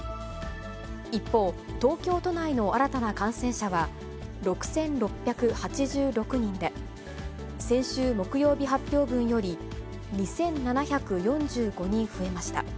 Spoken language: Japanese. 一方、東京都内の新たな感染者は６６８６人で、先週木曜日発表分より２７４５人増えました。